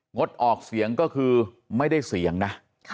งดออกเสียงก็คือไม่ได้เสียงนะ